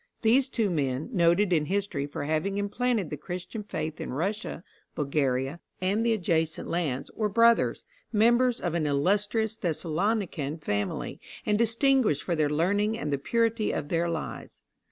These two men, noted in history for having implanted the Christian faith in Russia, Bulgaria, and the adjacent lands, were brothers, members of an illustrious Thessalonican family, and distinguished for their learning and the purity of their lives.